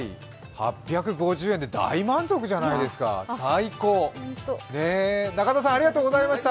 ８５０円で大満足じゃないですか、最高。